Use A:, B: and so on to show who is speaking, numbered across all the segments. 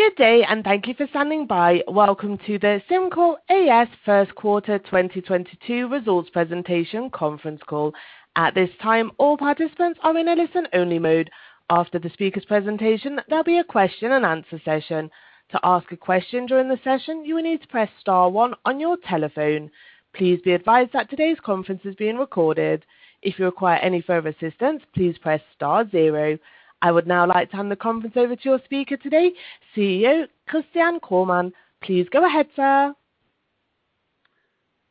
A: Good day, and thank you for standing by. Welcome to the SimCorp A/S Q1, 2022 Results Presentation Conference Call. At this time, all participants are in a listen-only mode. After the speaker's presentation, there'll be a question and answer session. To ask a question during the session, you will need to press star one on your telephone. Please be advised that today's conference is being recorded. If you require any further assistance, please press star zero. I would now like to hand the conference over to your speaker today, CEO Christian Kromann. Please go ahead, sir.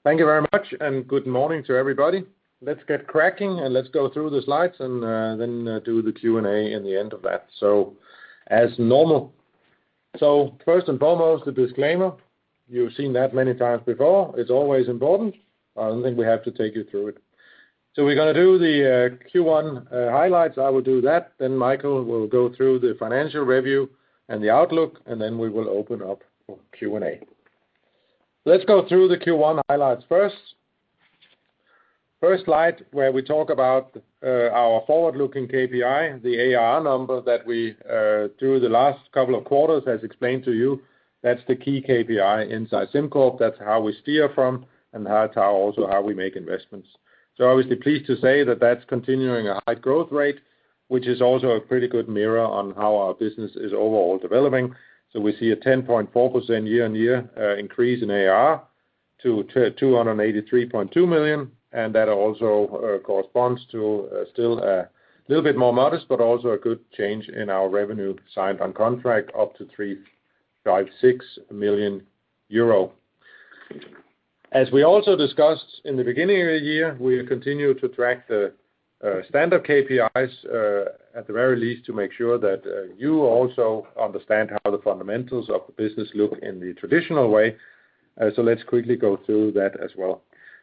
B: Thank you very much, and good morning to everybody. Let's get cracking, and let's go through the slides and then do the Q&A in the end of that. As normal. First and foremost, the disclaimer. You've seen that many times before. It's always important. I don't think we have to take you through it. We're gonna do the Q1 highlights. I will do that, then Michael will go through the financial review and the outlook, and then we will open up for Q&A. Let's go through the Q1 highlights first. First slide, where we talk about our forward-looking KPI, the ARR number that we do the last couple of quarters, as explained to you. That's the key KPI inside SimCorp. That's how we steer from, and that's also how we make investments. Obviously pleased to say that that's continuing a high growth rate, which is also a pretty good mirror on how our business is overall developing. We see a 10.4% year-on-year increase in ARR to 283.2 million. That also corresponds to still little bit more modest, but also a good change in our revenue signed on contract up to 356 million euro. As we also discussed in the beginning of the year, we continue to track the standard KPIs at the very least, to make sure that you also understand how the fundamentals of the business look in the traditional way. Let's quickly go through that as well.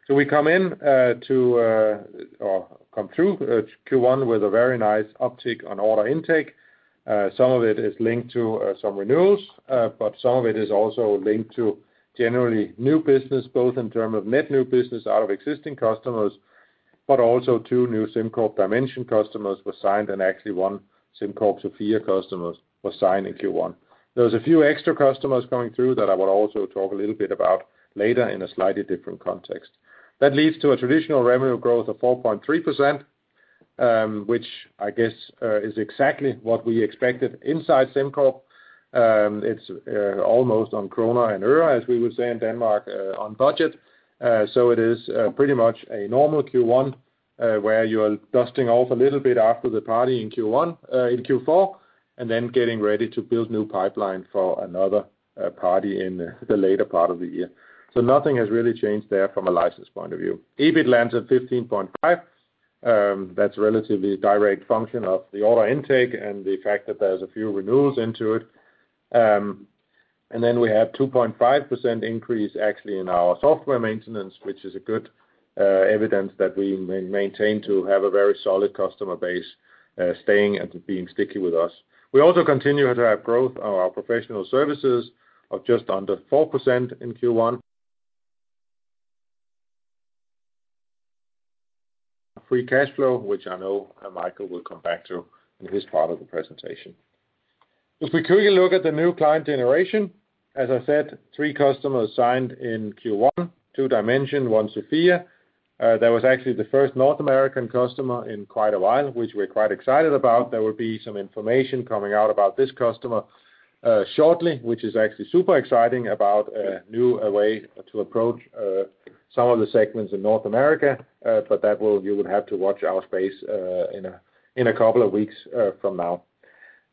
B: We come through Q1 with a very nice uptick on order intake. Some of it is linked to some renewals, but some of it is also linked to generally new business, both in terms of net new business out of existing customers, but also two new SimCorp Dimension customers were signed, and actually one SimCorp Sofia customers was signed in Q1. There's a few extra customers coming through that I will also talk a little bit about later in a slightly different context. That leads to a traditional revenue growth of 4.3%, which I guess i exactly what we expected inside SimCorp. It's almost on krone and euro, as we would say in Denmark, on budget. It is pretty much a normal Q1, where you're dusting off a little bit after the party in Q4, and then getting ready to build new pipeline for another party in the later part of the year. Nothing has really changed there from a license point of view. EBIT lands at 15.5. That's relatively a direct function of the order intake and the fact that there's a few renewals into it. And then we have 2.5% increase actually in our software maintenance, which is a good evidence that we maintain to have a very solid customer base, staying and being sticky with us. We also continue to have growth on our professional services of just under 4% in Q1. Free cash flow, which I know, Michael will come back to in his part of the presentation. If we quickly look at the new client generation, as I said, three customers signed in Q1, two Dimension, one Sofia. That was actually the first North American customer in quite a while, which we're quite excited about. There will be some information coming out about this customer, shortly, which is actually super exciting about a new way to approach, some of the segments in North America but you will have to watch this space, in a couple of weeks, from now.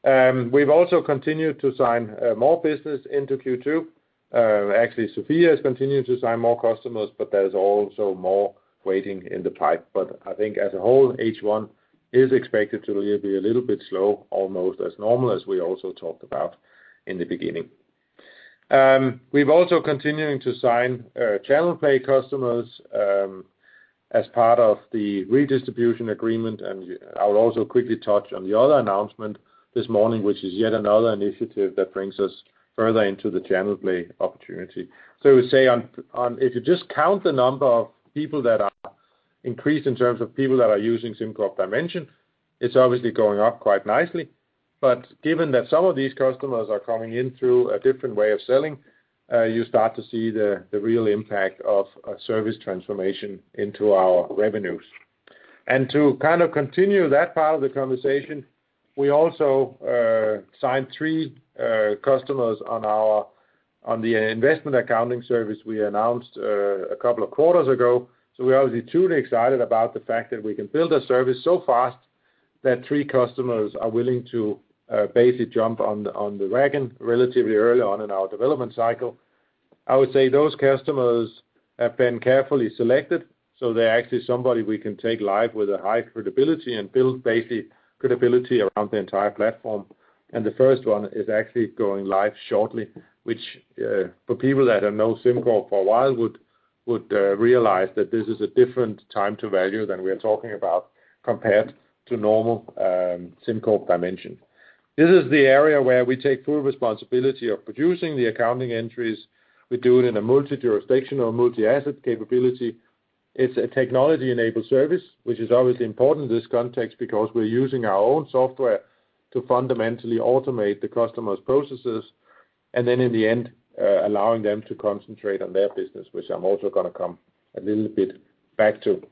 B: We've also continued to sign, more business into Q2. Actually, Sofia has continued to sign more customers, but there's also more waiting in the pipeline. I think as a whole, H1 is expected to be a little bit slow, almost as normal as we also talked about in the beginning. We've also continuing to sign channel partner customers as part of the redistribution agreement. I'll also quickly touch on the other announcement this morning, which is yet another initiative that brings us further into the channel partner opportunity. We say. If you just count the number of people that are increased in terms of people that are using SimCorp Dimension, it's obviously going up quite nicely. Given that some of these customers are coming in through a different way of selling, you start to see the real impact of a service transformation into our revenues. To kind of continue that part of the conversation, we also signed three customers on the investment accounting service we announced a couple of quarters ago. We're obviously truly excited about the fact that we can build a service so fast that three customers are willing to basically jump on the wagon relatively early on in our development cycle. I would say those customers have been carefully selected, so they're actually somebody we can take live with a high credibility and build basic credibility around the entire platform. The first one is actually going live shortly, which for people that have known SimCorp for a while would realize that this is a different time to value than we are talking about compared to normal SimCorp Dimension. This is the area where we take full responsibility of producing the accounting entries. We do it in a multi-jurisdictional, multi-asset capability. It's a technology-enabled service, which is obviously important in this context because we're using our own software to fundamentally automate the customers' processes, and then in the end, allowing them to concentrate on their business, which I'm also gonna come a little bit back to.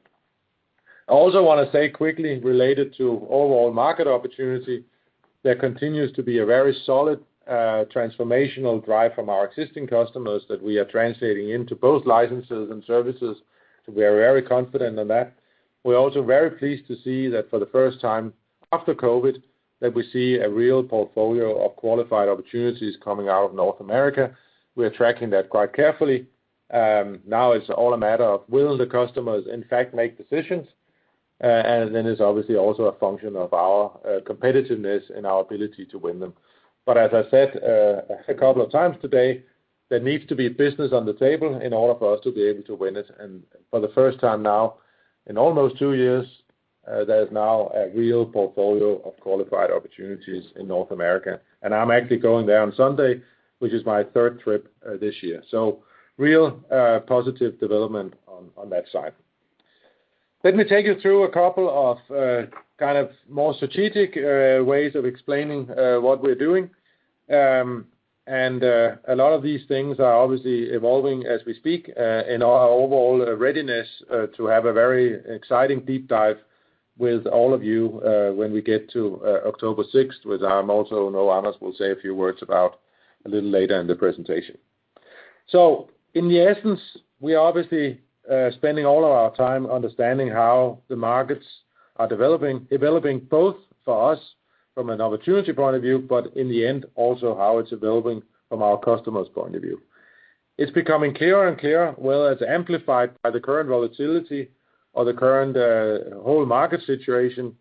B: I also wanna say quickly related to overall market opportunity, there continues to be a very solid, transformational drive from our existing customers that we are translating into both licenses and services. We are very confident in that. We're also very pleased to see that for the first time after COVID, that we see a real portfolio of qualified opportunities coming out of North America. We are tracking that quite carefully. Now it's all a matter of whether the customers will, in fact, make decisions, and then it's obviously also a function of our competitiveness and our ability to win them. As I said a couple of times today, there needs to be business on the table in order for us to be able to win it. For the first time now, in almost two years, there's now a real portfolio of qualified opportunities in North America. I'm actually going there on Sunday, which is my third trip this year. Real positive development on that side. Let me take you through a couple of more strategic ways of explaining what we're doing. A lot of these things are obviously evolving as we speak in our overall readiness to have a very exciting deep dive with all of you when we get to October, 6th, which I also know Anders will say a few words about a little later in the presentation. In essence, we are obviously spending all of our time understanding how the markets are developing both for us from an opportunity point of view, but in the end also how it's developing from our customers' point of view. It's becoming clearer and clearer. Well, it's amplified by the current volatility or the current whole market situation.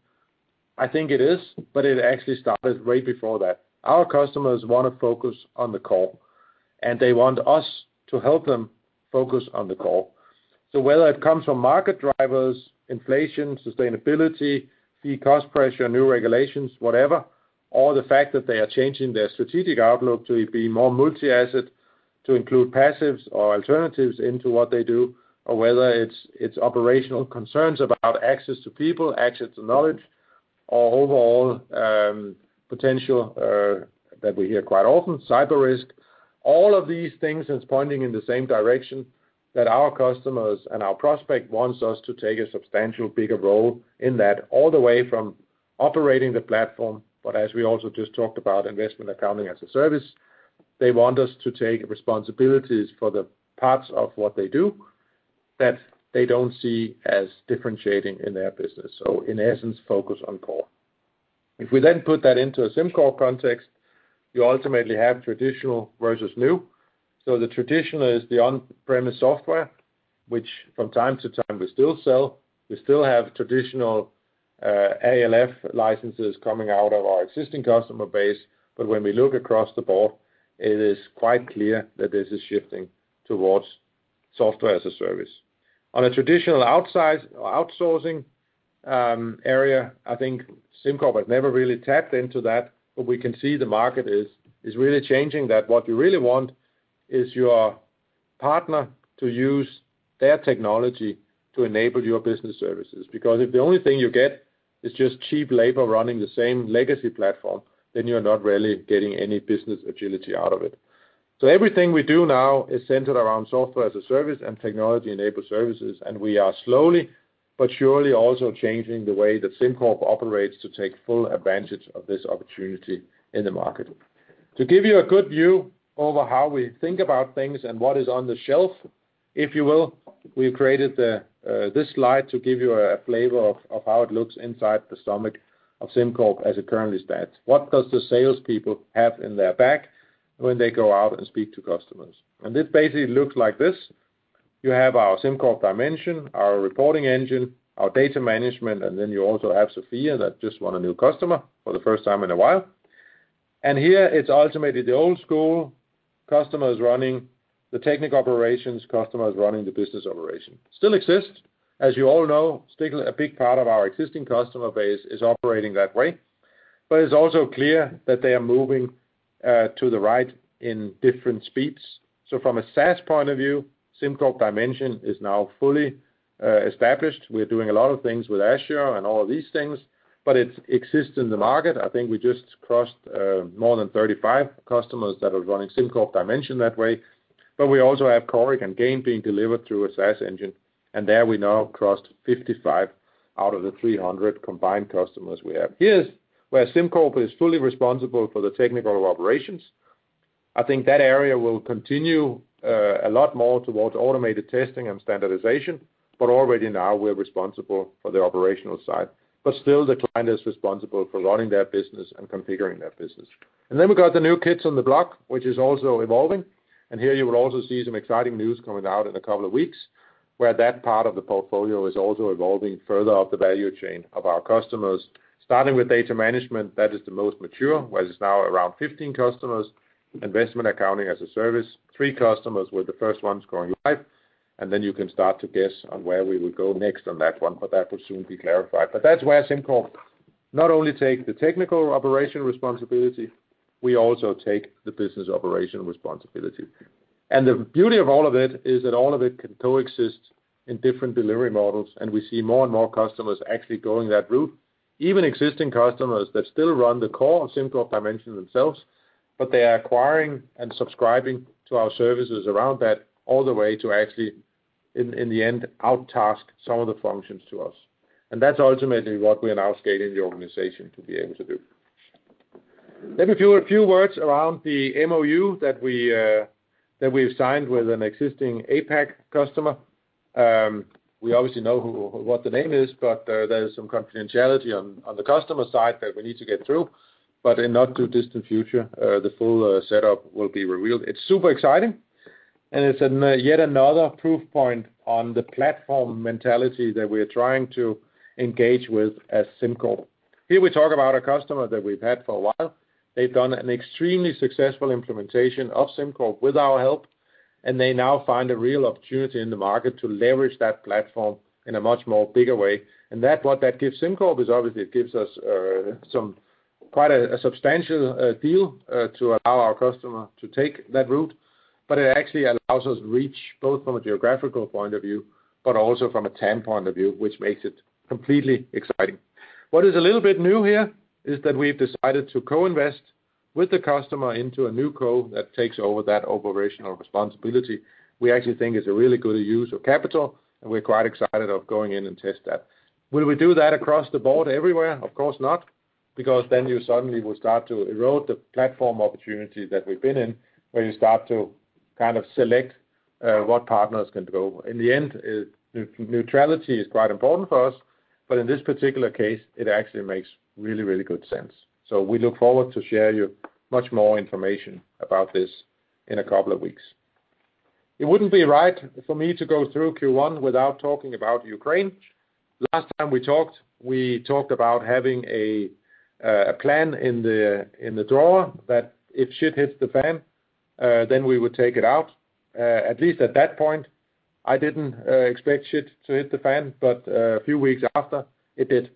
B: I think it is, but it actually started way before that. Our customers wanna focus on the core, and they want us to help them focus on the core. Whether it comes from market drivers, inflation, sustainability, fee cost pressure, new regulations, whatever, or the fact that they are changing their strategic outlook to be more multi-asset to include passives or alternatives into what they do, or whether it's operational concerns about access to people, access to knowledge, or overall, potential, that we hear quite often, cyber risk. All of these things is pointing in the same direction that our customers and our prospect wants us to take a substantial bigger role in that all the way from operating the platform but as we also just talked about investment accounting as a service, they want us to take responsibilities for the parts of what they do that they don't see as differentiating in their business. In essence, focus on core. If we then put that into a SimCorp context, you ultimately have traditional versus new. The traditional is the on-premise software, which from time to time we still sell. We still have traditional, ALF licenses coming out of our existing customer base. When we look across the board, it is quite clear that this is shifting towards software as a service. On a traditional outside or outsourcing, area, I think SimCorp has never really tapped into that, but we can see the market is really changing that what you really want is your partner to use their technology to enable your business services. Because if the only thing you get is just cheap labor running the same legacy platform, then you're not really getting any business agility out of it. Everything we do now is centered around software as a service and technology-enabled services, and we are slowly but surely also changing the way that SimCorp operates to take full advantage of this opportunity in the market. To give you a good overview of how we think about things and what is on the shelf, if you will, we've created this slide to give you a flavor of how it looks inside the stomach of SimCorp as it currently stands. What does the salespeople have in their bag when they go out and speak to customers? It basically looks like this. You have our SimCorp Dimension, our reporting engine, our data management, and then you also have Sofia that just won a new customer for the first time in a while. Here it's ultimately the old school customers running the technical operations, customers running the business operation. Still exists. As you all know, still a big part of our existing customer base is operating that way. It's also clear that they are moving to the right in different speeds. From a SaaS point of view, SimCorp Dimension is now fully established. We're doing a lot of things with Azure and all of these things, but it exists in the market. I think we just crossed more than 35 customers that are running SimCorp Dimension that way. We also have Coric and Gain being delivered through a SaaS engine, and there we now crossed 55 out of the 300 combined customers we have. Here's where SimCorp is fully responsible for the technical operations. I think that area will continue a lot more towards automated testing and standardization, but already now we're responsible for the operational side. Still the client is responsible for running their business and configuring their business. Then we've got the new kids on the block, which is also evolving. Here you will also see some exciting news coming out in a couple of weeks, where that part of the portfolio is also evolving further up the value chain of our customers. Starting with data management, that is the most mature, where it's now around 15 customers. Investment accounting as a service, three customers were the first ones going live. Then you can start to guess on where we would go next on that one, but that will soon be clarified. That's where SimCorp not only take the technical operation responsibility, we also take the business operation responsibility. The beauty of all of it is that all of it can coexist in different delivery models, and we see more and more customers actually going that route. Even existing customers that still run the core SimCorp Dimension themselves, but they are acquiring and subscribing to our services around that all the way to actually, in the end, out-task some of the functions to us. That's ultimately what we are now scaling the organization to be able to do. Let me do a few words around the MOU that we have signed with an existing APAC customer. We obviously know who what the name is, but there is some confidentiality on the customer side that we need to get through. In not too distant future, the full setup will be revealed. It's super exciting, and it's yet another proof point on the platform mentality that we're trying to engage with at SimCorp. Here we talk about a customer that we've had for a while. They've done an extremely successful implementation of SimCorp with our help, and they now find a real opportunity in the market to leverage that platform in a much more bigger way. That, what that gives SimCorp is obviously it gives us some quite a substantial deal to allow our customer to take that route. It actually allows us reach both from a geographical point of view, but also from a TAM point of view, which makes it completely exciting. What is a little bit new here is that we've decided to co-invest with the customer into a new co that takes over that operational responsibility. We actually think it's a really good use of capital, and we're quite excited of going in and test that. Will we do that across the board everywhere? Of course not, because then you suddenly will start to erode the platform opportunity that we've been in, where you start to select what partners can go. In the end, net-neutrality is quite important for us, but in this particular case, it actually makes really, really good sense. We look forward to share you much more information about this in a couple of weeks. It wouldn't be right for me to go through Q1 without talking about Ukraine. Last time we talked about having a plan in the drawer that if shit hits the fan, then we would take it out. At least at that point, I didn't expect shit to hit the fan, but a few weeks after, it did.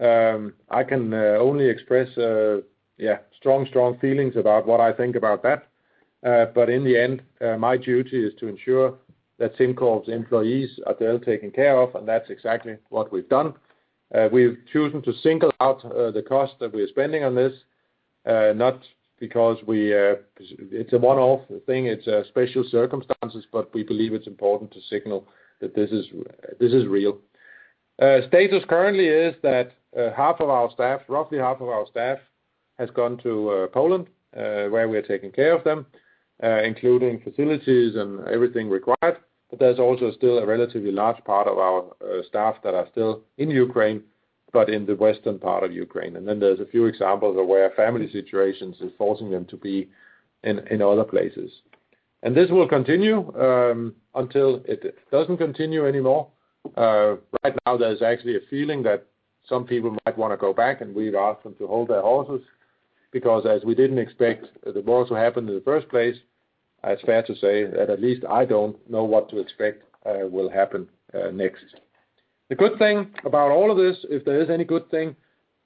B: I can only express yeah strong feelings about what I think about that. In the end, my duty is to ensure that SimCorp's employees are well taken care of, and that's exactly what we've done. We've chosen to single out the cost that we are spending on this not because we are, It's a one-off thing, it's special circumstances, but we believe it's important to signal that this is real. Status currently is that half of our staff, roughly half of our staff has gone to Poland, where we are taking care of them, including facilities and everything required but there's also still a relatively large part of our staff that are still in Ukraine, but in the western part of Ukraine. Then there's a few examples of where family situations is forcing them to be in other places. This will continue until it doesn't continue anymore. Right now there's actually a feeling that some people might wanna go back, and we've asked them to hold their horses, because as we didn't expect the war to happen in the first place, it's fair to say that at least I don't know what to expect will happen next. The good thing about all of this, if there is any good thing,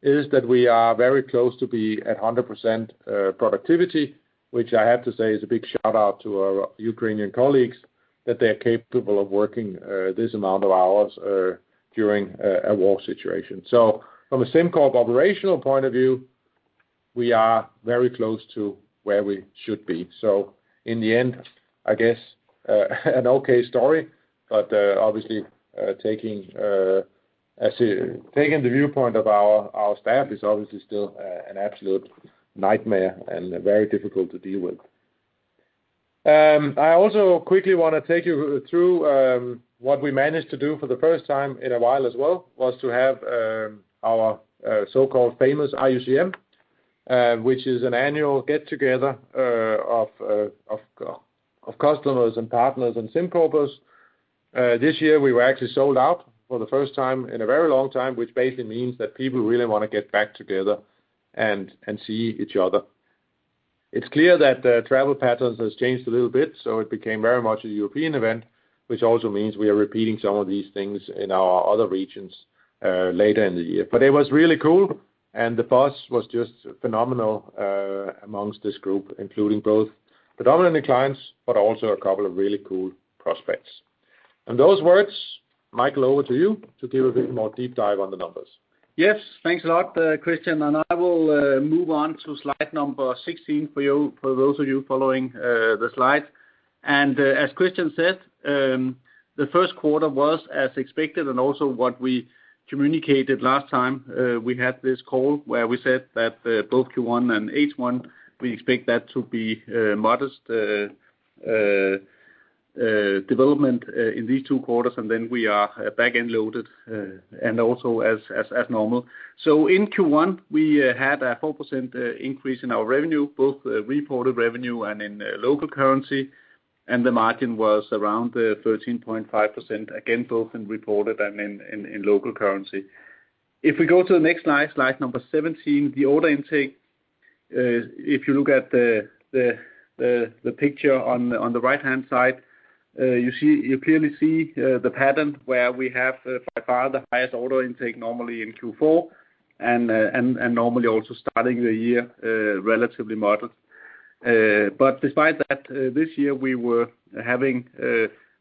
B: is that we are very close to 100% productivity, which I have to say is a big shout-out to our Ukrainian colleagues, that they are capable of working this amount of hours during a war situation. From a SimCorp operational point of view, we are very close to where we should be. In the end, I guess, an okay story, but obviously taking the viewpoint of our staff is obviously still an absolute nightmare and very difficult to deal with. I also quickly wanna take you through what we managed to do for the first time in a while as well, was to have our so-called famous IUCM, which is an annual get-together of customers and partners and SimCorpers. This year we were actually sold out for the first time in a very long time, which basically means that people really wanna get back together and see each other. It's clear that travel patterns has changed a little bit, so it became very much a European event, which also means we are repeating some of these things in our other regions later in the year. It was really cool, and the buzz was just phenomenal among this group, including both predominantly clients, but also a couple of really cool prospects. On those words, Michael, over to you to give a bit more deep dive on the numbers.
C: Yes. Thanks a lot, Christian, and I will move on to slide number 16 for you, for those of you following the slides. As Christian said, the Q1 was as expected and also what we communicated last time. We had this call where we said that both Q1 and H1 we expect that to be a modest development in these two quarters, and then we are back-end loaded and also as normal. In Q1, we had a 4% increase in our revenue, both reported revenue and in local currency, and the margin was around 13.5%, again, both in reported and in local currency. If we go to the next slide number 17, the order intake. If you look at the picture on the right-hand side, you clearly see the pattern where we have by far the highest order intake normally in Q4 and normally also starting the year relatively modest. Despite that, this year we were having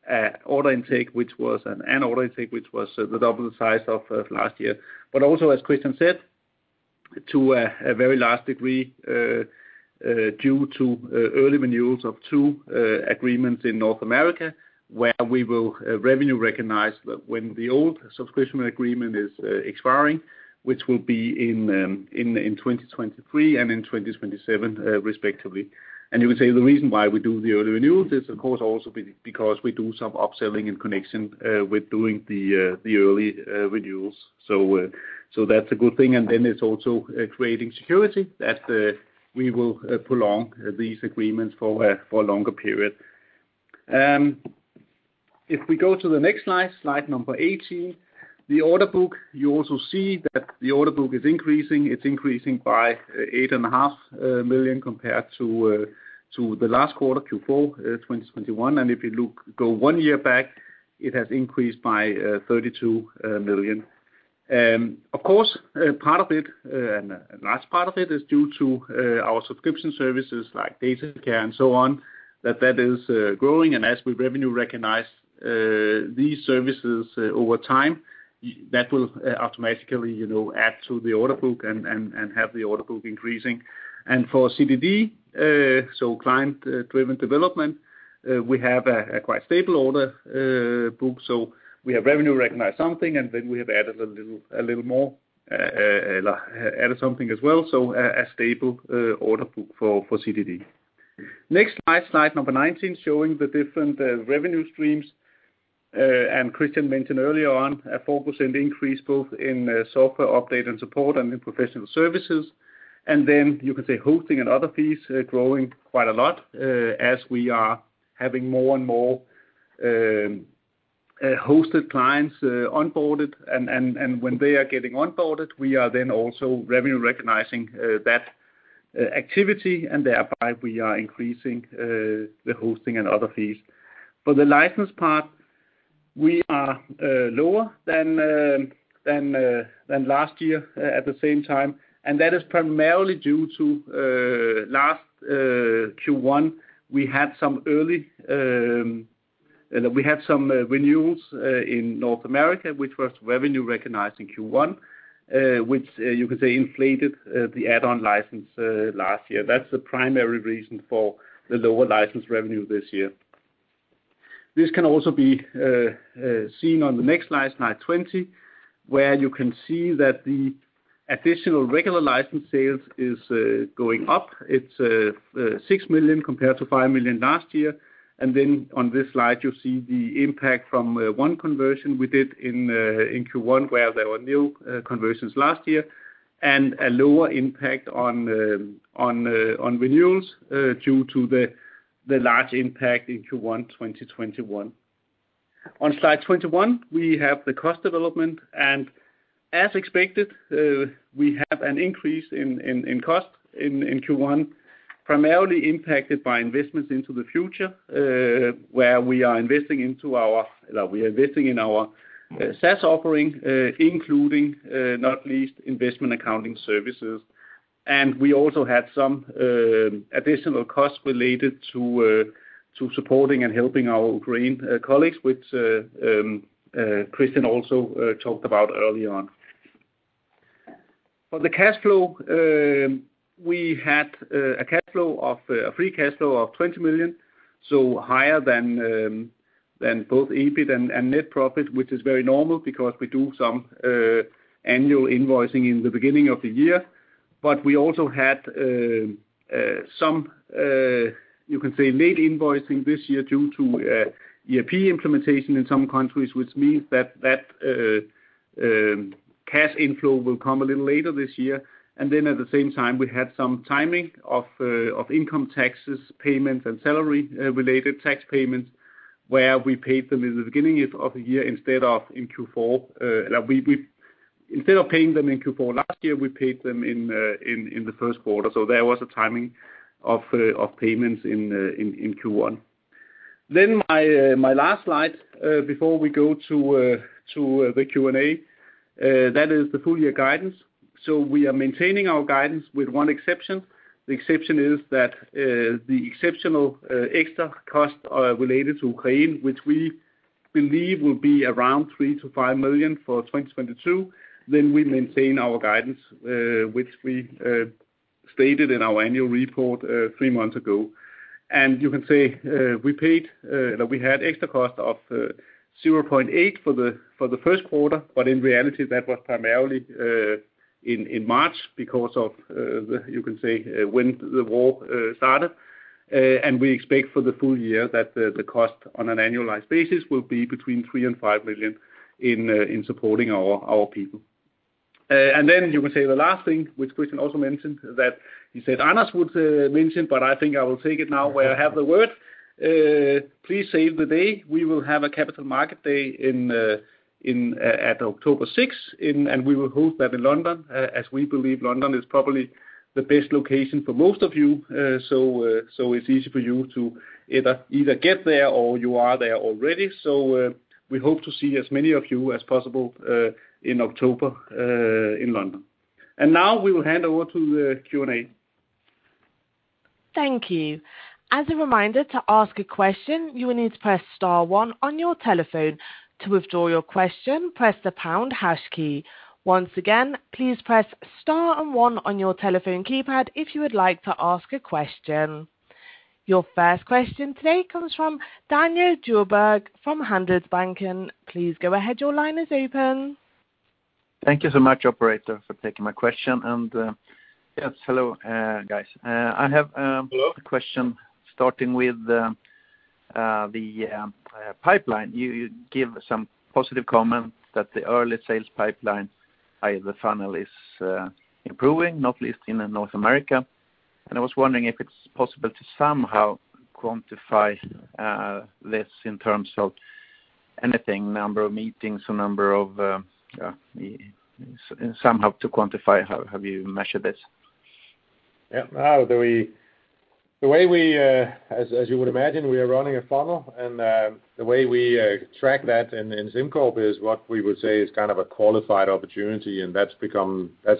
C: an order intake which was double the size of last year. Also as Christian said, to a very large degree due to early renewals of two agreements in North America where we will recognize revenue when the old subscription agreement is expiring, which will be in 2023 and in 2027, respectively. You can say the reason why we do the early renewals is of course also because we do some upselling in connection with doing the early renewals. So that's a good thing. It's also creating security that we will prolong these agreements for a longer period. If we go to the next slide number 18, the order book, you also see that the order book is increasing. It's increasing by 8.5 million compared to the last quarter Q4, 2021. If you look, go one year back, it has increased by 32 million. Of course, part of it, and a large part of it is due to our subscription services like DataCare and so on, that is growing. As we revenue recognize these services over time, that will automatically add to the order book and have the order book increasing. For CDD, so client driven development, we have a quite stable order book. We have revenue recognized something, and then we have added a little more, added something as well. A stable order book for CDD. Next slide number 19, showing the different revenue streams. Christian mentioned earlier on a 4% increase both in software update and support and in professional services. You could say hosting and other fees are growing quite a lot, as we are having more and more hosted clients onboarded. When they are getting onboarded, we are then also revenue recognizing that activity, and thereby we are increasing the hosting and other fees. For the license part, we are lower than last year at the same time, and that is primarily due to last Q1. We had some renewals in North America, which was revenue recognized in Q1, which you could say inflated the add-on license last year. That's the primary reason for the lower license revenue this year. This can also be seen on the next slide 20, where you can see that the additional regular license sales is going up. It's 6 million compared to 5 million last year. On this slide, you see the impact from one conversion we did in Q1, where there were new conversions last year and a lower impact on renewals due to the large impact in Q1, 2021. On slide 21, we have the cost development, and as expected, we have an increase in cost in Q1, primarily impacted by investments into the future, where we are investing in our SaaS offering, including not least investment accounting services. We also had some additional costs related to supporting and helping our Ukrainian colleagues, which Christian also talked about earlier on. For the cash flow, we had a free cash flow of 20 million, so higher than both EBIT and net profit, which is very normal because we do some annual invoicing in the beginning of the year. We also had some you can say late invoicing this year due to ERP implementation in some countries, which means that cash inflow will come a little later this year. At the same time, we had some timing of income taxes, payments, and salary related tax payments, where we paid them in the beginning of the year instead of in Q4. Instead of paying them in Q4 last year, we paid them in the Q1. There was a timing of payments in Q1. My last slide before we go to the Q&A. That is the full year guidance. We are maintaining our guidance with one exception. The exception is that the exceptional extra costs are related to Ukraine, which we believe will be around 3 million-5 million for 2022. We maintain our guidance, which we stated in our annual report three months ago. You can say we paid that we had extra cost of 0.8 million for the Q1, but in reality, that was primarily in March because of the you can say when the war started. We expect for the full year that the cost on an annualized basis will be between 3 million and 5 million in supporting our people. You can say the last thing, which Christian also mentioned, that he said Anders would mention, but I think I will take it now where I have the word. Please save the date. We will have a Capital Markets Day in at October 6th and we will host that in London, as we believe London is probably the best location for most of you. It's easy for you to either get there or you are there already. We hope to see as many of you as possible in October in London. Now we will hand over to Q&A.
A: Thank you. As a reminder, to ask a question, you will need to press star one on your telephone. To withdraw your question, press the pound hash key. Once again, please press star and one on your telephone keypad if you would like to ask a question. Your first question today comes from Daniel Djurberg from Handelsbanken. Please go ahead. Your line is open.
D: Thank you so much, operator, for taking my question. Yes, hello, guys. I have
C: Hello
D: A question starting with the pipeline. You give some positive comments that the early sales pipeline, i.e., the funnel, is improving, not least in North America. I was wondering if it's possible to somehow quantify this in terms of anything, number of meetings or number of somehow to quantify how you measure this.
B: Yeah. No, the way we, as you would imagine, we are running a funnel. The way we track that in SimCorp is what we would say is a qualified opportunity, and that's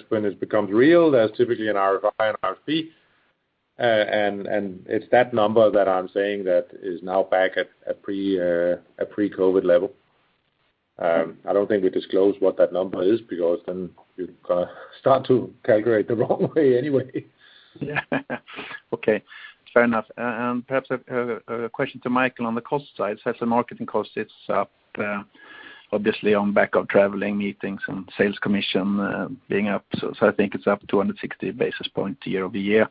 B: when it becomes real. That's typically an RFI, an RFP. It's that number that I'm saying that is now back at pre-COVID level. I don't think we disclose what that number is because then you kind of start to calculate the wrong way anyway.
D: Okay. Fair enough. Perhaps a question to Michael on the cost side. As the marketing cost is up, obviously on back of traveling, meetings, and sales commission being up, I think it's up 260 basis points year-over-year.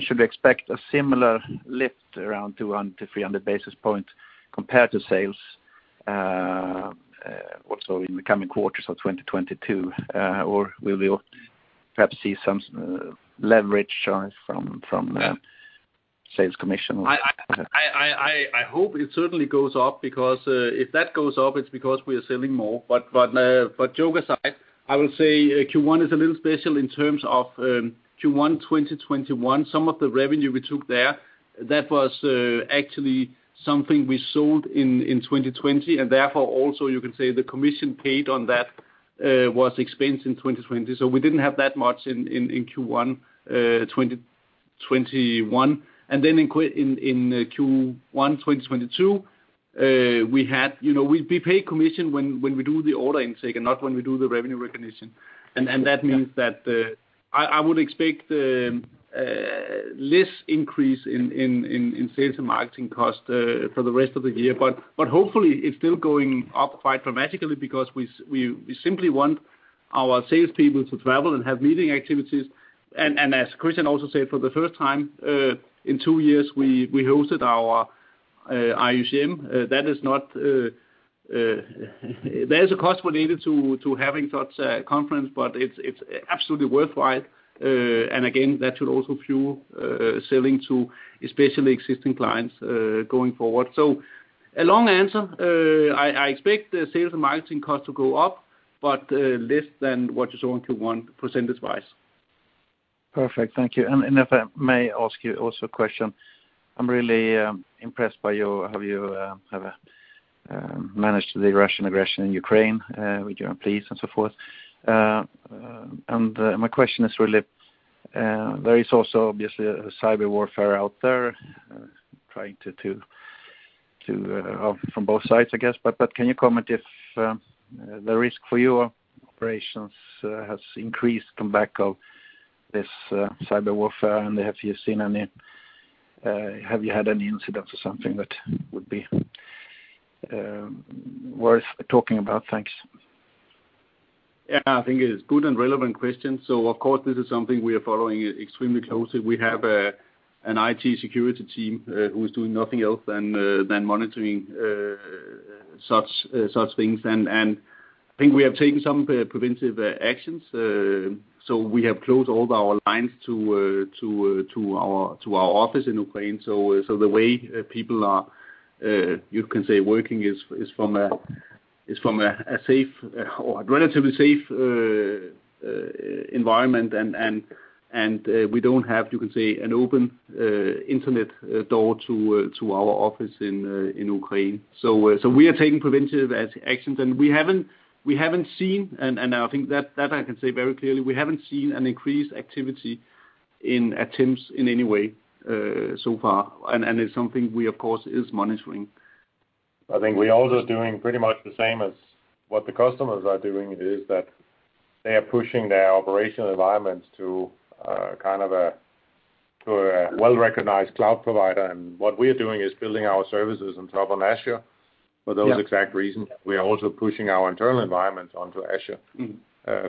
D: Should we expect a similar lift around 200-300 basis points compared to sales also in the coming quarters of 2022, or will we perhaps see some leverage from the sales commission or?
C: I hope it certainly goes up because if that goes up, it's because we are selling more. Joke aside, I will say Q1 is a little special in terms of Q1, 2021. Some of the revenue we took there, that was actually something we sold in 2020, and therefore also you can say the commission paid on that was expensed in 2020. We didn't have that much in Q1, 2021 and then in Q1, 2022, you know, we pay commission when we do the order intake and not when we do the revenue recognition. That means that I would expect less increase in sales and marketing costs for the rest of the year. Hopefully it's still going up quite dramatically because we simply want our salespeople to travel and have meeting activities. As Christian also said, for the first time in two years, we hosted our IUCM. That is not, there is a cost related to having such a conference, but it's absolutely worthwhile. Again, that should also fuel selling to especially existing clients going forward. A long answer. I expect the sales and marketing costs to go up, but less than what you saw in Q1 percentage-wise.
D: Perfect. Thank you. If I may ask you also a question. I'm really impressed by how you have managed the Russian aggression in Ukraine with your employees and so forth. My question is, really, there is also obviously a cyber warfare out there trying to from both sides, I guess. Can you comment if the risk for your operations has increased on back of this cyber warfare? Have you had any incidents or something that would be worth talking about? Thanks.
B: Yeah. I think it is good and relevant question. Of course, this is something we are following extremely closely. We have an IT security team who is doing nothing else than monitoring such things. I think we have taken some preventive actions. We have closed all of our lines to our office in Ukraine. The way people are, you can say, working is from a safe or a relatively safe environment. We don't have, you can say, an open internet door to our office in Ukraine. We are taking preventive actions, and I think that I can say very clearly, we haven't seen an increased activity in attempts in any way, so far. It's something we, of course, is monitoring.
C: I think we're also doing pretty much the same as what the customers are doing, is that they are pushing their operational environments to a well-recognized cloud provider. What we are doing is building our services on top of Azure for those exact reasons.
B: Yeah. We are also pushing our internal environments onto Azure.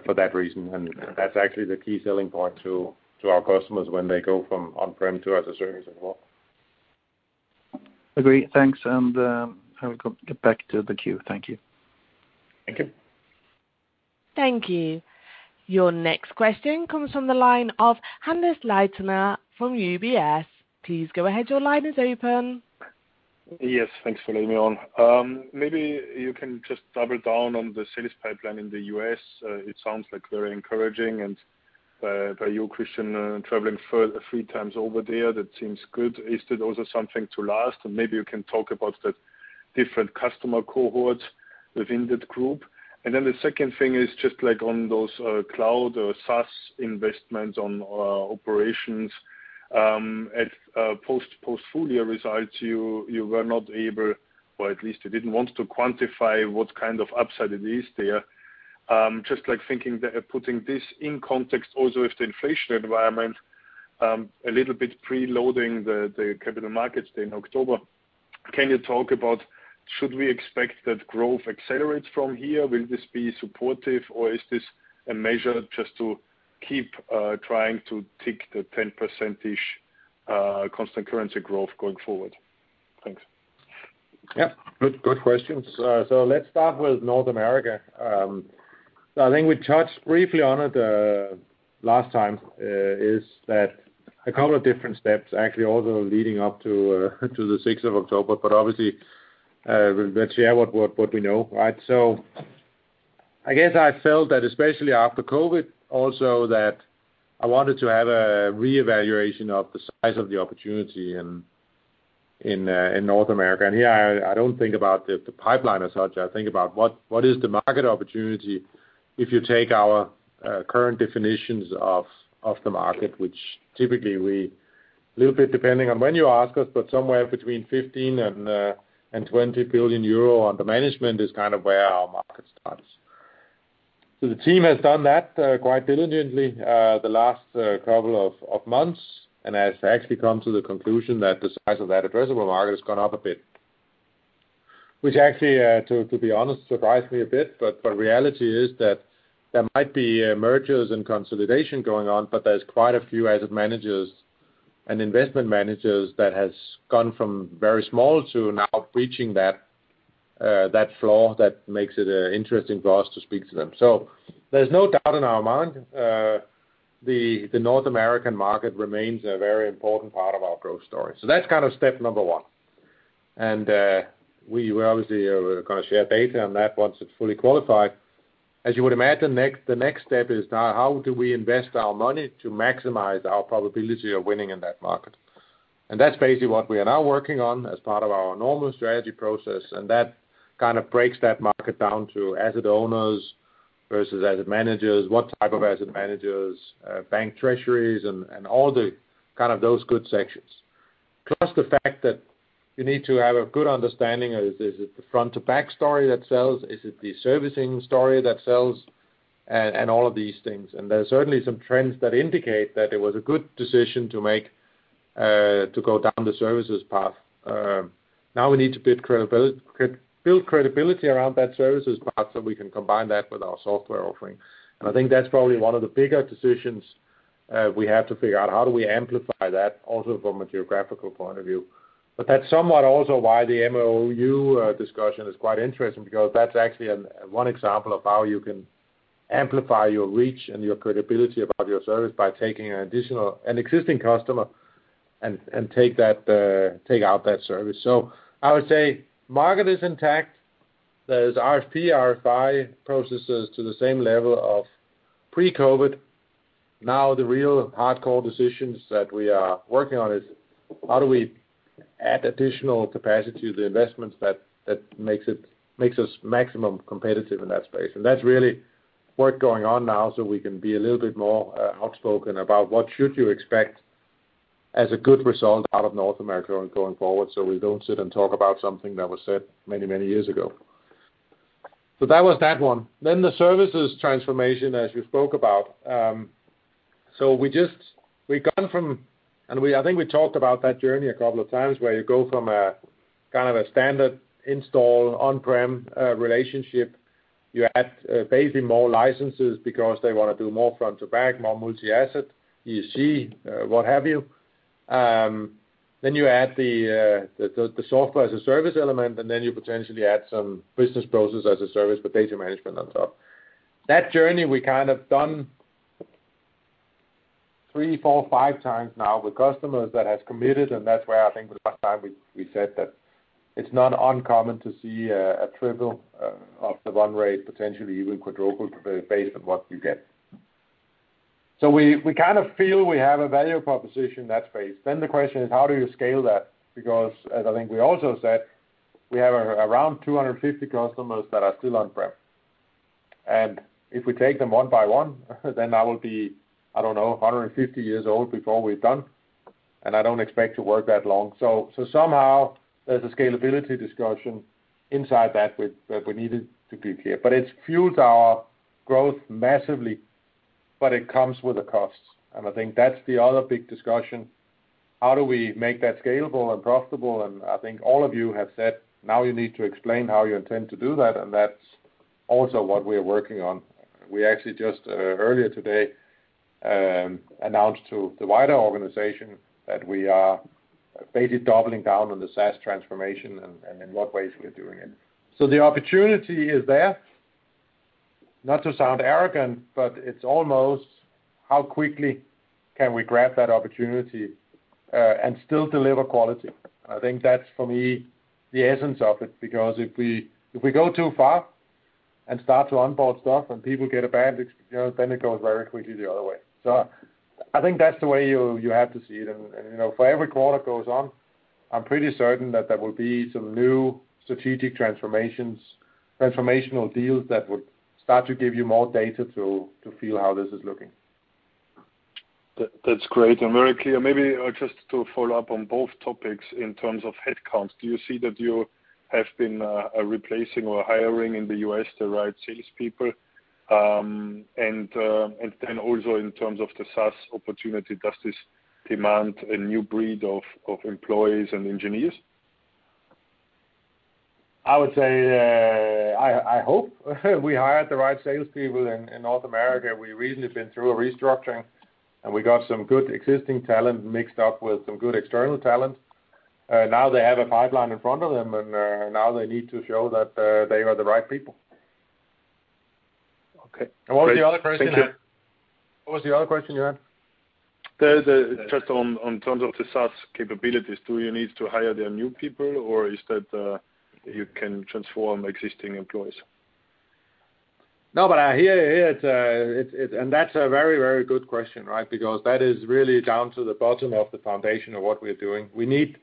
B: For that reason. That's actually the key selling point to our customers when they go from on-prem to as a service as well.
D: Agree. Thanks. I will go get back to the queue. Thank you.
B: Thank you.
A: Thank you. Your next question comes from the line of Hannes Leitner from UBS. Please go ahead. Your line is open.
E: Yes, thanks for letting me on. Maybe you can just double down on the sales pipeline in the U.S. It sounds very encouraging, and by you, Christian, traveling three times over there, that seems good. Is that also something to last? Maybe you can talk about the different customer cohorts within that group. Then the second thing is just like on those cloud or SaaS investments on operations at post-portfolio services. You were not able, or at least you didn't want to quantify what upside it is there. Just like thinking that putting this in context also with the inflation environment, a little bit preloading the Capital Markets Day in October. Can you talk about should we expect that growth accelerates from here? Will this be supportive, or is this a measure just to keep trying to tick the 10% constant currency growth going forward? Thanks.
B: Yeah. Good questions. Let's start with North America. I think we touched briefly on it last time is that a couple of different steps, actually, also leading up to to the 6th of October. Obviously, we'll share what we know, right? I guess I felt that especially after COVID also, that I wanted to have a re-evaluation of the size of the opportunity in North America. Here I don't think about the pipeline as such. I think about what is the market opportunity if you take our current definitions of the market, which typically we little bit depending on when you ask us, but somewhere between 15 and 20 billion under management is kind of where our market starts. The team has done that quite diligently the last couple of months and has actually come to the conclusion that the size of that addressable market has gone up a bit, which actually, to be honest, surprised me a bit. The reality is that there might be mergers and consolidation going on, but there's quite a few asset managers and investment managers that has gone from very small to now breaching that floor that makes it interesting for us to speak to them. There's no doubt in our mind the North American market remains a very important part of our growth story. That's kind of step number one. We will obviously kind of share data on that once it's fully qualified. As you would imagine, next, the next step is now how do we invest our money to maximize our probability of winning in that market? That's basically what we are now working on as part of our normal strategy process. That breaks that market down to asset owners versus asset managers, what type of asset managers, bank treasuries and all the kind of those good sections. Plus the fact that you need to have a good understanding of is it the front to back story that sells? Is it the servicing story that sells? And all of these things, and there are certainly some trends that indicate that it was a good decision to make to go down the services path. Now we need to build credibility around that services path, so we can combine that with our software offering. I think that's probably one of the bigger decisions we have to figure out how do we amplify that also from a geographical point of view. That's somewhat also why the MOU discussion is quite interesting, because that's actually one example of how you can amplify your reach and your credibility about your service by taking an existing customer and take out that service. I would say market is intact. There's RFP, RFI processes to the same level of pre-COVID. The real hardcore decisions that we are working on is how do we add additional capacity to the investments that makes us maximum competitive in that space. That's really work going on now, so we can be a little bit more outspoken about what should you expect as a good result out of North America going forward, so we don't sit and talk about something that was said many, many years ago. That was that one. The services transformation, as we spoke about. We just, we've gone from, I think we talked about that journey a couple of times, where you go from a standard install on-prem relationship. You add basically more licenses because they wanna do more front to back, more multi-asset, etc., what have you? You add the software as a service element, and you potentially add some business process as a service, but data management on top. That journey, we kind of done three, four, five times now with customers that has committed. That's where I think the last time we said that it's not uncommon to see a triple of the run rate, potentially even quadruple based on what you get. We feel we have a value proposition in that space. The question is how do you scale that? Because as I think we also said, we have around 250 customers that are still on-prem, and if we take them one by one, then I will be, I don't know, 150 years old before we're done, and I don't expect to work that long. Somehow there's a scalability discussion inside that with that we needed to do here. It's fuelled our growth massively, but it comes with a cost. I think that's the other big discussion. How do we make that scalable and profitable? I think all of you have said, now you need to explain how you intend to do that. That's also what we are working on. We actually just earlier today announced to the wider organization that we are basically doubling down on the SaaS transformation and in what ways we are doing it. The opportunity is there. Not to sound arrogant, but it's almost how quickly can we grab that opportunity and still deliver quality? I think that's for me, the essence of it, because if we go too far and start to unbundle stuff and people get abandoned, you know, then it goes very quickly the other way. I think that's the way you have to see it. You know, for every quarter it goes on, I'm pretty certain that there will be some new strategic transformations, transformational deals that would start to give you more data to feel how this is looking.
E: That's great, and very clear. Maybe just to follow up on both topics in terms of headcounts, do you see that you have been replacing or hiring in the U.S. the right salespeople? Then also in terms of the SaaS opportunity, does this demand a new breed of employees and engineers?
B: I would say, I hope we hired the right salespeople in North America. We've recently been through a restructuring, and we got some good existing talent mixed up with some good external talent. Now they have a pipeline in front of them, and now they need to show that they are the right people.
E: Okay. Great. Thank you.
B: What was the other question you had?
E: Just on terms of the SaaS capabilities, do you need to hire the new people or is that you can transform existing employees?
B: No, but I hear it's a very, very good question, right? Because that is really down to the bottom of the foundation of what we are doing. We need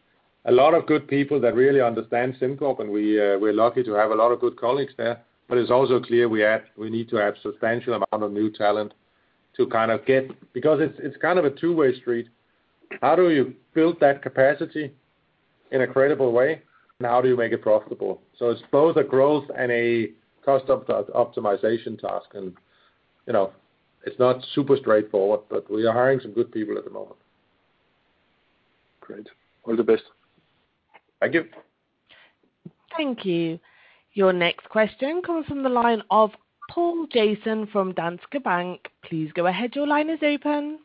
B: a lot of good people that really understand SimCorp, and we're lucky to have a lot of good colleagues there but it's also clear we need to add substantial amount of new talent to kind of get. Because it's kind of a two-way street. How do you build that capacity in a credible way? How do you make it profitable? It's both a growth and a cost optimization task. You know, it's not super straightforward, but we are hiring some good people at the moment.
E: Great. All the best.
B: Thank you.
A: Thank you. Your next question comes from the line of Poul Jensen from Danske Bank. Please go ahead. Your line is open.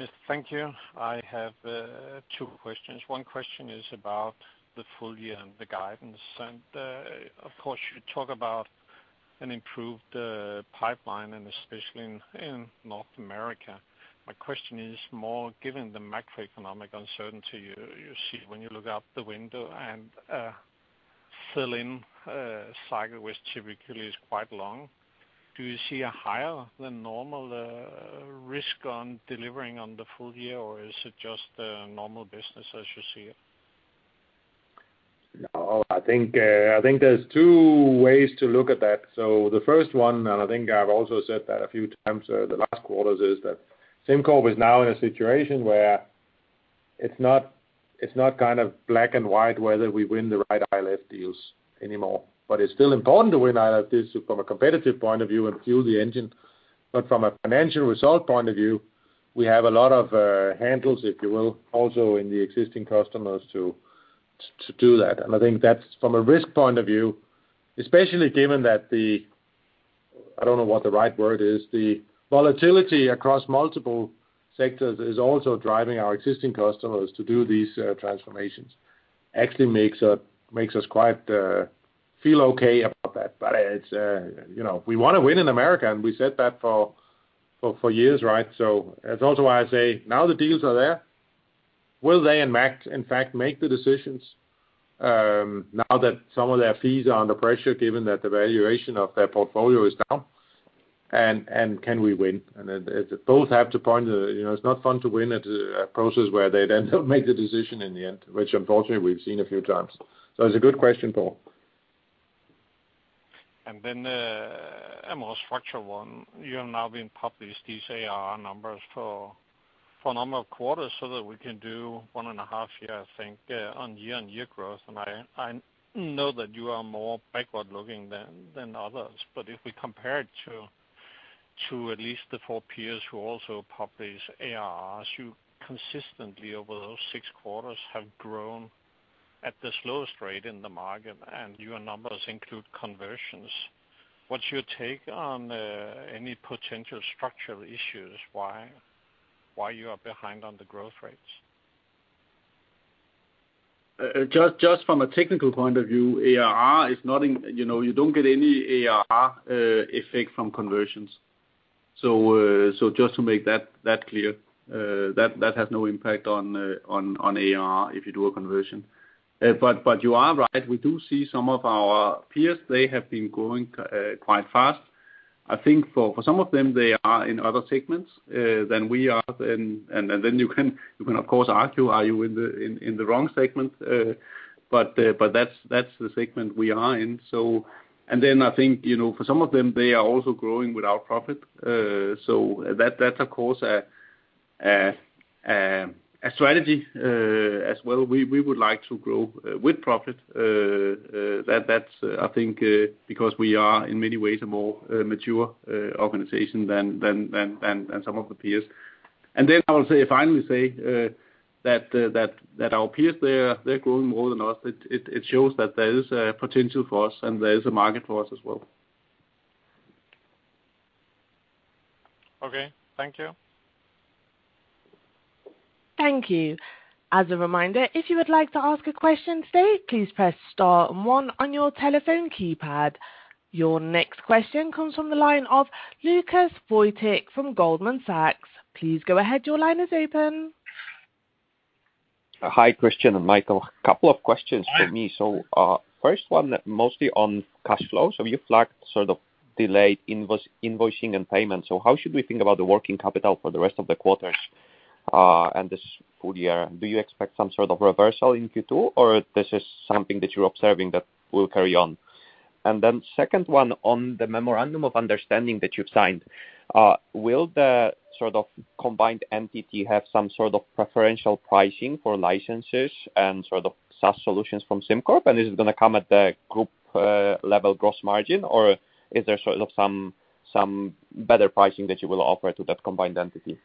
F: Yes, thank you. I have two questions. One question is about the full year and the guidance. Of course, you talk about an improved pipeline and especially in North America. My question is more given the macroeconomic uncertainty you see when you look out the window and billing cycle, which typically is quite long. Do you see a higher than normal risk on delivering on the full year, or is it just a normal business as you see it?
B: No, I think there's two ways to look at that. The first one, and I think I've also said that a few times over the last quarters, is that SimCorp is now in a situation where it's not black and white whether we win the right ILF deals anymore. It's still important to win ILF deals from a competitive point of view and fuel the engine. From a financial result point of view, we have a lot of handles, if you will, also in the existing customers to do that. I think that's from a risk point of view, especially given that the, I don't know what the right word is, the volatility across multiple sectors is also driving our existing customers to do these transformations. Actually makes us quite feel okay about that. It's you know we wanna win in America, and we said that for years, right? That's also why I say now the deals are there. Will they in fact make the decisions now that some of their fees are under pressure given that the valuation of their portfolio is down, and can we win? Then both have to point you know it's not fun to win at a process where they then don't make the decision in the end, which unfortunately we've seen a few times. It's a good question, Poul.
F: Then a more structural one. You have now been published these ARR numbers for a number of quarters so that we can do one and half year, I think, on year-on-year growth. I know that you are more backward-looking than others. If we compare it to at least the four peers who also publish ARRs, you consistently over those six quarters have grown at the slowest rate in the market, and your numbers include conversions. What's your take on any potential structural issues why you are behind on the growth rates?
B: Just from a technical point of view, you know, you don't get any ARR effect from conversions. Just to make that clear, that has no impact on ARR if you do a conversion. You are right. We do see some of our peers, they have been growing quite fast. I think for some of them, they are in other segments than we are. You can of course argue, are you in the wrong segment? That's the segment we are in. I think, you know, for some of them, they are also growing without profit. That's of course a strategy as well. We would like to grow with profit. That's I think because we are in many ways a more mature organization than some of the peers.
C: I'll finally say that our peers, they're growing more than us. It shows that there is a potential for us and there is a market for us as well.
F: Okay. Thank you.
A: Thank you. As a reminder, if you would like to ask a question today, please press star and one on your telephone keypad. Your next question comes from the line of Lukasz Wojcik from Goldman Sachs. Please go ahead. Your line is open.
G: Hi, Christian and Michael. A couple of questions from me. First one mostly on cash flow. You flagged delayed invoicing and payments. How should we think about the working capital for the rest of the quarters and this full year? Do you expect some reversal in Q2, or this is something that you're observing that will carry on? Then second one, on the memorandum of understanding that you've signed, will the combined entity have some sort of preferential pricing for licenses and SaaS solutions from SimCorp? And is it gonna come at the group level gross margin, or is there some better pricing that you will offer to that combined entity?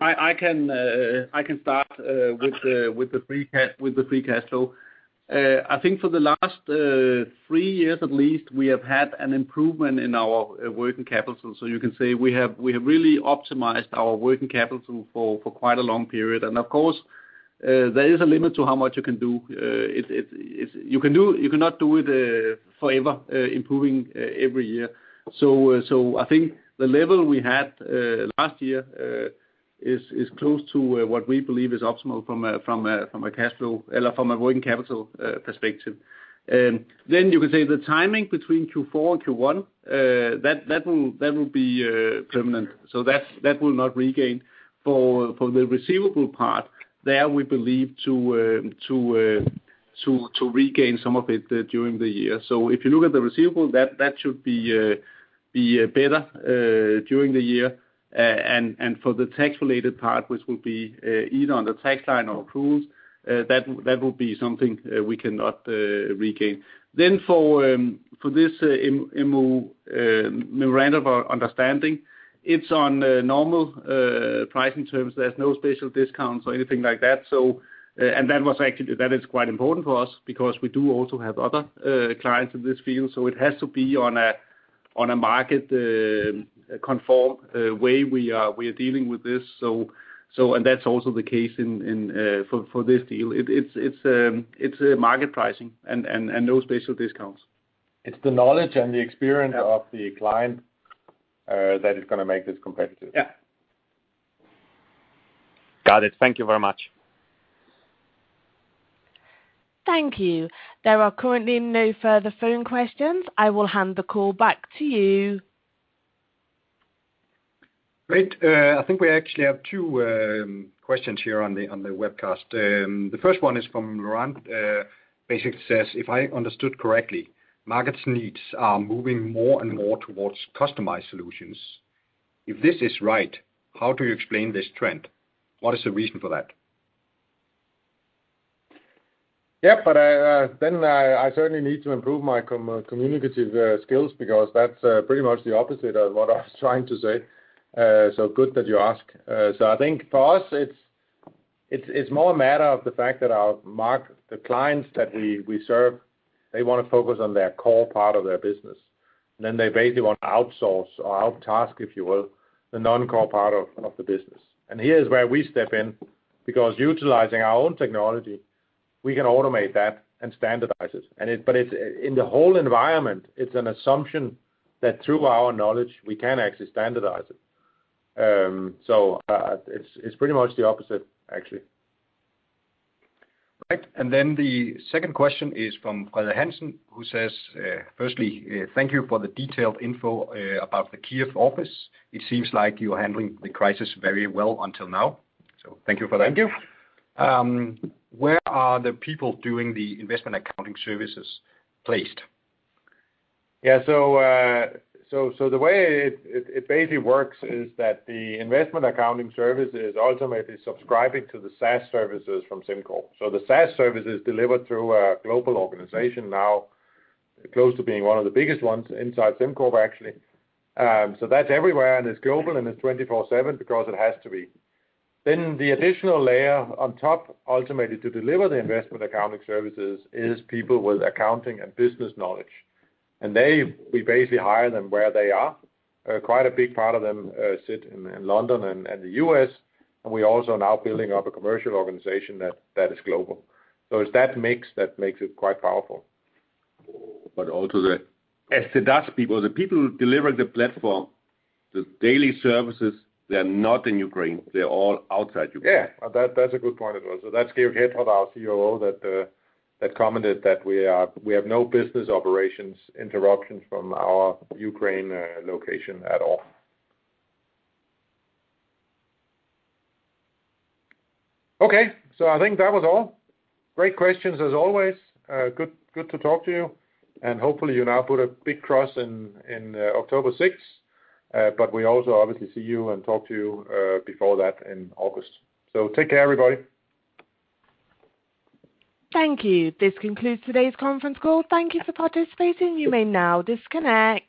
C: I can start with the free cash flow. I think for the last three years at least, we have had an improvement in our working capital. You can say we have really optimized our working capital for quite a long period. Of course, there is a limit to how much you can do. You cannot do it forever, improving every year. I think the level we had last year is close to what we believe is optimal from a cash flow or from a working capital perspective. You could say the timing between Q4 and Q1, that will be permanent. That's, that will not regain. For the receivable part, there we believe to regain some of it during the year. If you look at the receivable, that should be better during the year. For the tax-related part, which will be either on the tax line or accruals, that will be something we cannot regain. For this memorandum of understanding, it's on normal pricing terms. There's no special discounts or anything like that. That is quite important for us because we do also have other clients in this field, so it has to be on a market conform way we are dealing with this. That's also the case for this deal. It's a market pricing and no special discounts.
B: It's the knowledge and the experience of the client, that is gonna make this competitive.
C: Yeah.
G: Got it. Thank you very much.
A: Thank you. There are currently no further phone questions. I will hand the call back to you.
C: Great. I think we actually have two questions here on the webcast. The first one is from Ron. Basically says, "If I understood correctly, markets needs are moving more and more towards customized solutions. If this is right, how do you explain this trend? What is the reason for that?" Yeah. I certainly need to improve my communicative skills because that's pretty much the opposite of what I was trying to say. So good that you ask. I think for us, it's more a matter of the fact that our market, the clients that we serve, they wanna focus on their core part of their business. They basically want to outsource or out-task, if you will, the non-core part of the business. Here's where we step in because utilizing our own technology, we can automate that and standardize it. In the whole environment, it's an assumption that through our knowledge, we can actually standardize it. It's pretty much the opposite actually. Right. Then the second question is from Fred Henson, who says, "Firstly, thank you for the detailed info about the Kyiv office. It seems like you're handling the crisis very well until now." So thank you for that.
B: Thank you.
C: Where are the people doing the investment accounting services placed?" Yeah. The way it basically works is that the investment accounting services ultimately subscribing to the SaaS services from SimCorp. The SaaS service is delivered through a global organization now, close to being one of the biggest ones inside SimCorp, actually. That's everywhere, and it's global, and it's 24/7 because it has to be. The additional layer on top ultimately to deliver the investment accounting services is people with accounting and business knowledge. We basically hire them where they are. Quite a big part of them sit in London and the U.S., and we also are now building up a commercial organization that is global. It's that mix that makes it quite powerful.
H: Also the SaaS people, the people who deliver the platform, the daily services, they're not in Ukraine, they're all outside Ukraine.
C: That's a good point as well. That's Georg Hetrodt, our COO, that commented that we have no business operations interruptions from our Ukraine location at all.
B: Okay. I think that was all. Great questions as always. Good to talk to you. Hopefully you now put a big cross in October 6th but we also obviously see you and talk to you before that in August. Take care, everybody.
A: Thank you. This concludes today's conference call. Thank you for participating. You may now disconnect.